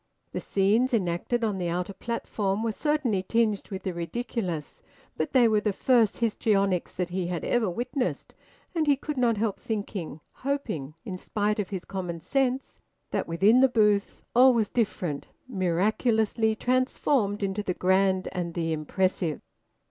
The scenes enacted on the outer platform were certainly tinged with the ridiculous, but they were the first histrionics that he had ever witnessed; and he could not help thinking, hoping, in spite of his common sense, that within the booth all was different, miraculously transformed into the grand and the impressive.